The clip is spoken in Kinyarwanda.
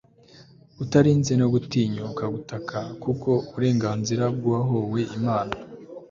Utarinze no gutinyuka gutaka kuko uburenganzira bwuwahowe Imana